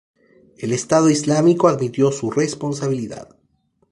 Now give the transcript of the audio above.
El Estado Islámico admitió su responsabilidad.